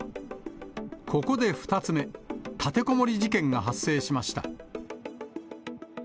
ここで２つ目、立てこもり事件が発生しました。